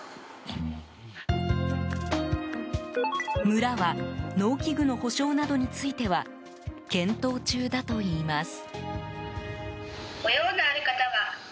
村は農機具の補償などについては検討中だといいます。